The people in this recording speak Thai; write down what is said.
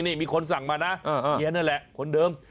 นี่มีคนสั่งมานะเฮียนั่นแหละคนเดิม